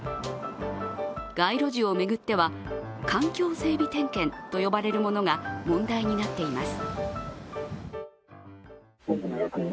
街路樹を巡っては、環境整備点検と呼ばれるものが問題になっています。